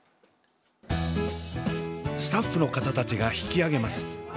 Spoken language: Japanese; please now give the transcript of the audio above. スタッフの方たちが引き揚げます。